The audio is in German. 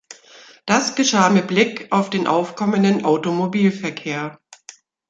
Das geschah mit Blick auf den aufkommenden Automobilverkehr.